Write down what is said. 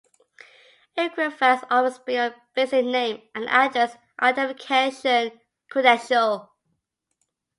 Equifax offers beyond basic name and address identification credential.